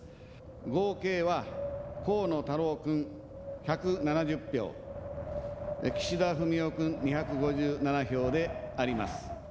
合計は、河野太郎君１７０票、岸田文雄君２５７票であります。